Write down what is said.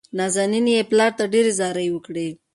نازنين يې پلار ته ډېرې زارۍ وکړې.